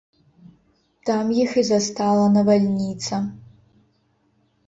Там іх і застала навальніца.